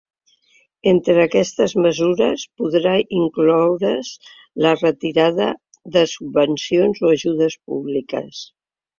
Entre aquestes mesures podrà incloure’s la retirada de subvencions o ajudes públiques.